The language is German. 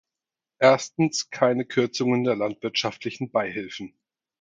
Erstens keine Kürzung der landwirtschaftlichen Beihilfen.